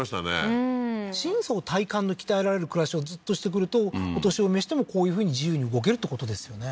うん深層体幹の鍛えられる暮らしをずっとしてくるとお年を召してもこういうふうに自由に動けるってことですよね